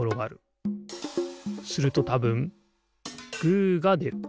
するとたぶんグーがでる。